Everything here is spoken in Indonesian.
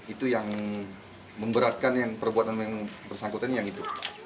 itu yang memberatkan yang perbuatan yang bersangkutan yang itu